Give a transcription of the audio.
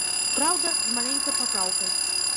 Праўда, з маленькай папраўкай.